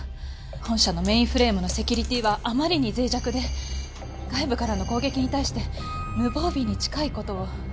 本社のメインフレームのセキュリティーはあまりに脆弱で外部からの攻撃に対して無防備に近い事を。